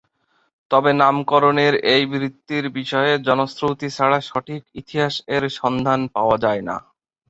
তবে নামকরণের এই ভিত্তির বিষয়ে জনশ্রুতি ছাড়া সঠিক ইতিহাস এর সন্ধান পাওয়া যায়না।